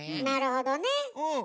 なるほどね。